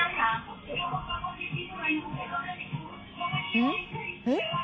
うん？えっ？